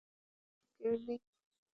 বীজের যত্ন নেওয়ার কেউ নেই।